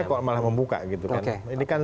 kok malah membuka gitu kan ini kan